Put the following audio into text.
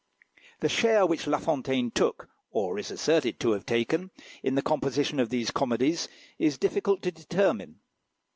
The share which La Fontaine took, or is asserted to have taken, in the composition of these comedies, is difficult to determine.